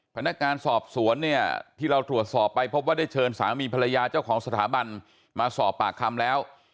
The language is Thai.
พนักงานสอบสวนเนี่ยที่เราตรวจสอบไปพบว่าได้เชิญสามีภรรยาเจ้าของสถาบันมาสอบปากคำแล้ว